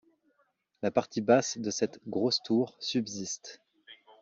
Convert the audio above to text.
La partie basse de cette grosse tour subsiste.